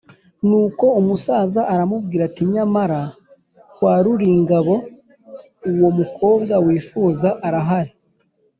nuko umusaza aramubwira ati: “nyamara kwa ruringabo uwo mukobwa wifuza arahari